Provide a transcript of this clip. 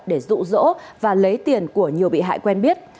để rụ rỗ và lấy tiền của nhiều bị hại quen biết